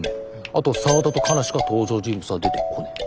あと沢田とカナしか登場人物が出てこねえ。